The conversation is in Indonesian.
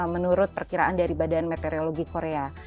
menurut perkiraan dari badan meteorologi korea